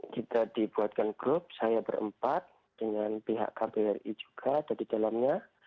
kita dibuatkan grup saya berempat dengan pihak kbri juga ada di dalamnya